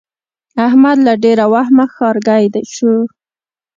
احمد له ډېره وهمه ښارګی شو.